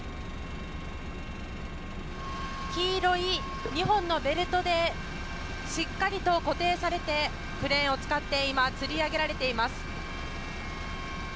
黄色い２本のベルトでしっかりと固定されてクレーンを使って今つり上げられています。